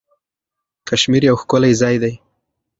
کشمیر یو ښکلی ځای دی.